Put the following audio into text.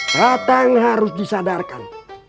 tatang harus disadarkan